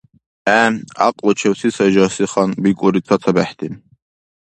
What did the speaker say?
— ГӀе, гӀякьлучевси сай жагьси хан, — бикӀулри цацабехӀти.